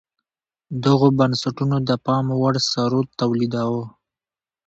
دغو بنسټونو د پاموړ ثروت تولیداوه.